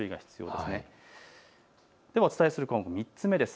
ではお伝えする項目、３つ目です。